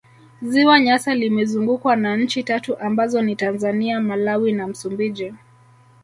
Ziwa Nyasa limezungukwa na nchi tatu ambazo ni Tanzania Malawi na Msumbiji